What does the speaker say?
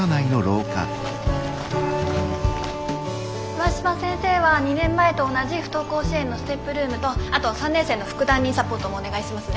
上嶋先生は２年前と同じ不登校支援のＳＴＥＰルームとあとは３年生の副担任サポートもお願いしますね。